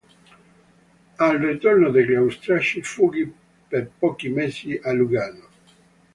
Al ritorno degli austriaci fuggì per pochi mesi a Lugano.